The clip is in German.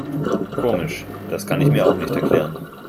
Komisch, das kann ich mir auch nicht erklären.